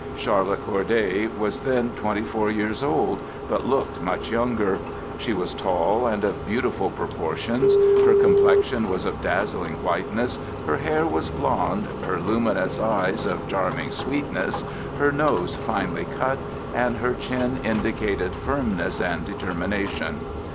Charlotte Corday was then twenty four years old, but looked much younger. She was tall, and of beautiful proportions; her complexion was of dazzling whiteness, her hair was blond, her luminous eyes of charming sweetness, her nose finely cut, and her chin indicated firmness and determination.